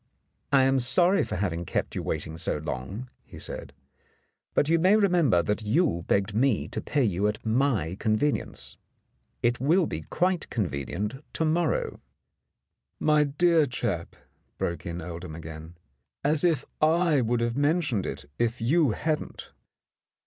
"I am sorry for having kept you waiting so long," he said. "But you may remember that you begged me to pay you at my convenience. It will be quite convenient to morrow." 118 In the Dark "My dear chap," broke in Oldham again, "as if I would have mentioned it, if you hadn't!